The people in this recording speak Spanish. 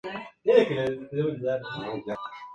Es coautor de canciones para niños y adultos.